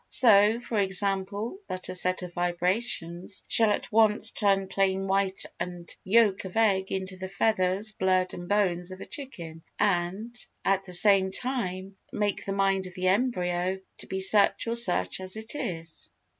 So, for example, that a set of vibrations shall at once turn plain white and yolk of egg into the feathers, blood and bones of a chicken and, at the same time, make the mind of the embryo to be such or such as it is.